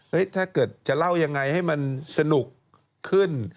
ถ้าเกิดจะเล่ายังไงให้มันสนุกขึ้น